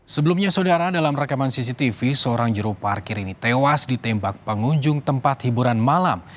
sebelumnya saudara dalam rekaman cctv seorang juru parkir ini tewas ditembak pengunjung tempat hiburan malam